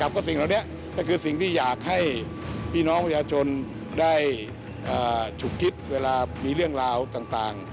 ก็สิ่งเหล่านี้ก็คือสิ่งที่อยากให้พี่น้องประชาชนได้ฉุกคิดเวลามีเรื่องราวต่าง